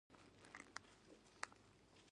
د پلار له دعاؤ سره ژوند اسانه دی.